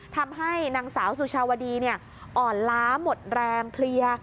ทำให้นางสาวสุชาวดีอ่อนล้าหมดแรงเพลีย